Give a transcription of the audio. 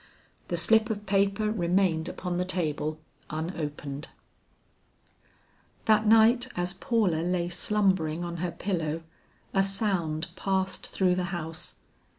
The slip of paper remained upon the table unopened. That night as Paula lay slumbering on her pillow, a sound passed through the house.